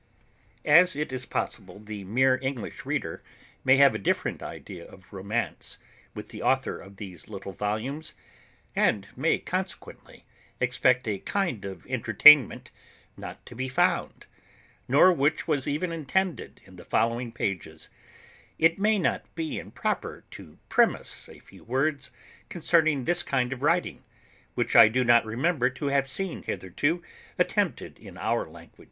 As it is possible the mere English reader may have a different idea of romance from the author of these little[A] volumes, and may consequently expect a kind of entertainment not to be found, nor which was even intended, in the following pages, it may not be improper to premise a few words concerning this kind of writing, which I do not remember to have seen hitherto attempted in our language.